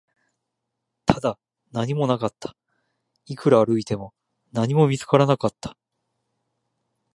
ただ、何もなかった、いくら歩いても、何も見つからなかった